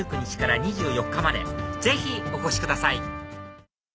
ぜひお越しください